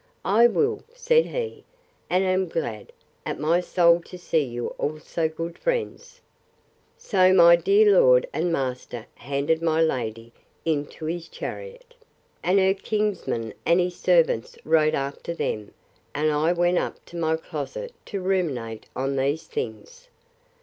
I will, said he: and am glad, at my soul, to see you all so good friends. So my dear lord and master handed my lady into his chariot, and her kinsman and his servants rode after them and I went up to my closet to ruminate on these things.